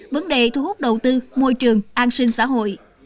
vấn đề thu hút đầu tư môi trường an sinh xã hội